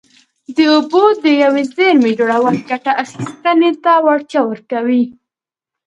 د اوبو د یوې زېرمې جوړول ګټه اخیستنې ته وړتیا ورکوي.